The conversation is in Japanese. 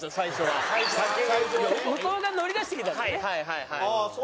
はいはいはいはい。